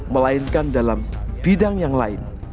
melainkan dalam bidang yang lain